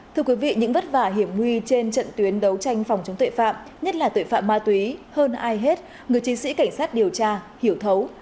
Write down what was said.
thưa quý vị những vất vả hiểm nguy trên trận tuyến đấu tranh phòng chống tội phạm nhất là tội phạm ma túy hơn ai hết người chiến sĩ cảnh sát điều tra hiểu thấu